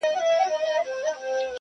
د لېوه بچی کوم چا وو پیدا کړی -